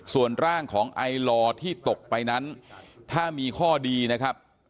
ส่วนร่างของไอลอที่ตกไปนั้นถ้ามีข้อดีนะครับ